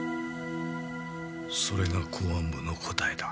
それが公安部の答えだ。